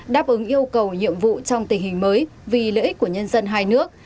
đáp ứng yêu cầu nhiệm vụ trong tình hình mới vì lợi ích của nhân dân hai nước